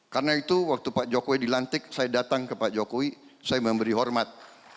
karena itu waktu pak jokowi dilantik saya datang ke pak jokowi saya memberi hormat